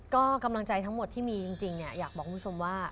ก็กำลังใจทั้งหมดที่มีจริงเนี่ยอยากบอกคุณผู้ชมว่า